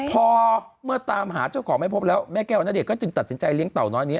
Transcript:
พอเมื่อตามหาเจ้าของไม่พบแล้วแม่แก้วณเดชนก็จึงตัดสินใจเลี้ยเต่าน้อยนี้